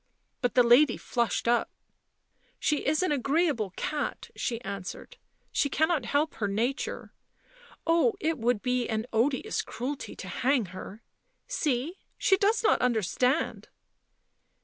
But the lady flushed up. 11 She is an agreeable cat," she answered. " She cannot help her nature. Oh, it would be an odious cruelty to hang her !— see, she does not understand